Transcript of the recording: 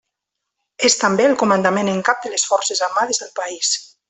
És també el Comandant-en-Cap de les forces armades del país.